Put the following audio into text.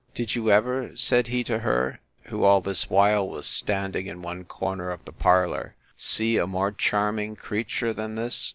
—Did you ever, said he to her, (who all this while was standing in one corner of the parlour,) see a more charming creature than this?